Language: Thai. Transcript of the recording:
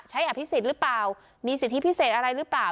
อภิษฎหรือเปล่ามีสิทธิพิเศษอะไรหรือเปล่า